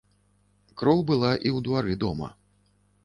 Кроў была і ў двары дома.